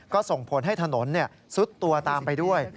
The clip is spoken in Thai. ก็ส่งผลให้ถนนซุดตัวตามไปด้วย